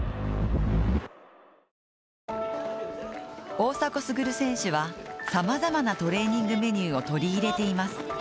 大迫傑選手は、さまざまなトレーニングメニューを取り入れています。